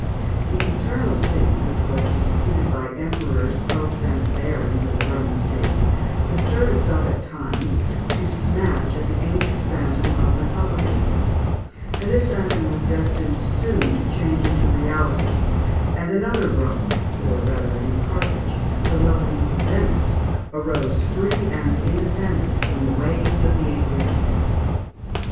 The Eternal City, which was disputed by emperors, popes, and barons of the Roman States, bestirred itself at times to snatch at the ancient phantom of republicanism; and this phantom was destined soon to change into reality, and another Rome, or rather a new Carthage, the lovely Venice, arose free and independent from the waves of the Adriatic (Fig.